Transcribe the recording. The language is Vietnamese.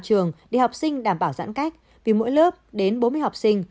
trường để học sinh đảm bảo giãn cách vì mỗi lớp đến bốn mươi học sinh